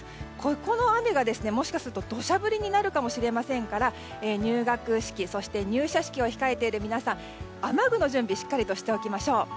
ここの雨がもしかすると土砂降りになるかもしれませんから入学式、そして入社式を控えている皆さん、雨具の準備しっかりとしておきましょう。